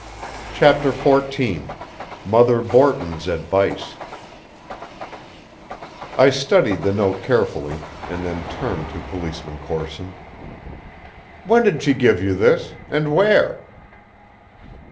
CHAPTER XIV MOTHER BORTON'S ADVICE I studied the note carefully, and then turned to Policeman Corson. "When did she give you this and where?"